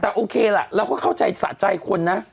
แต่โอเคล่ะเราก็เข้าใจสะใจคนนะ